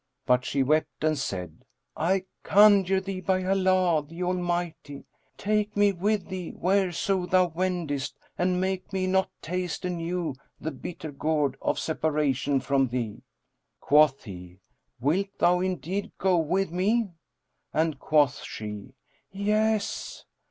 But she wept and said, "I conjure thee, by Allah the Almighty, take me with thee whereso thou wendest and make me not taste anew the bittergourd[FN#23] of separation from thee." Quoth he, "Wilt thou indeed go with me?" and quoth she, "Yes."